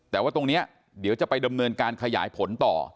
แต่ว่าตรงนี้เดี๋ยวจะไปดำเนินการขยายผลต่อ